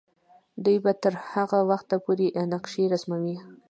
دوی به تر هغه وخته پورې نقشې رسموي.